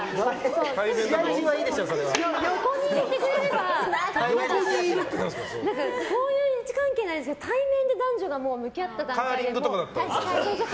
横にいてくれればいいですけど、対面で男女が向き合った段階で。